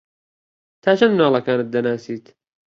تا چەند منداڵەکانت دەناسیت؟